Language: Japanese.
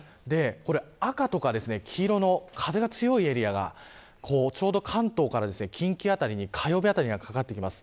赤とか黄色の風が強いエリアがちょうど関東から近畿辺りに火曜日あたりにかかってきます。